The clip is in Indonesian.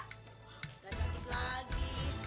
udah cantik lagi